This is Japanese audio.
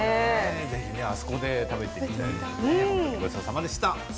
ぜひ、あそこで食べてみたいですね。